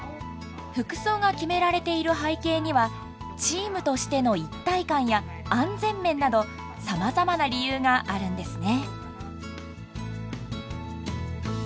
服装が決められている背景にはチームとしての一体感や安全面などさまざまな理由があるんですね。